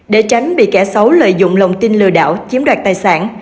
để tránh bị kẻ xấu lợi dụng lòng tin lừa đảo chiếm đoạt tài sản